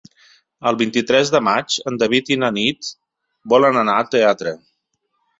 El vint-i-tres de maig en David i na Nit volen anar al teatre.